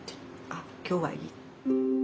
あっ今日はいい」。